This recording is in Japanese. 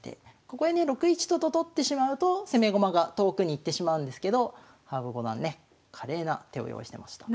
ここでね６一と金と取ってしまうと攻め駒が遠くに行ってしまうんですけど羽生五段ね華麗な手を用意してました。